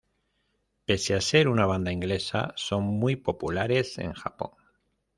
Pese a ser una banda inglesa, son muy populares en Japón.